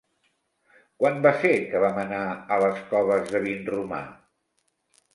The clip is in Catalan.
Quan va ser que vam anar a les Coves de Vinromà?